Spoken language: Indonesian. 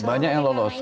banyak yang lolos